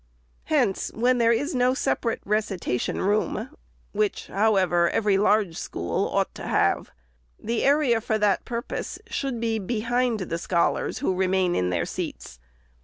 Hence, where there is no separate recitation room, (which, however, every large school ought to have,) the area for that purpose should be behind the scholars who remain in their seats.